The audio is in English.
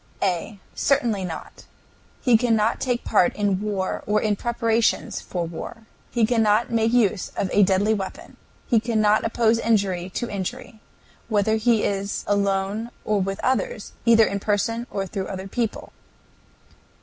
A. Certainly not. He cannot take any part in war or in preparations for war. He cannot make use of a deadly weapon. He cannot oppose injury to injury, whether he is alone or with others, either in person or through other people.